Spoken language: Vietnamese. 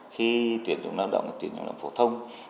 khi tuyển dụng lao động tuyển lao động phổ thông